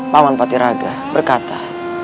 pak man patiraga berkata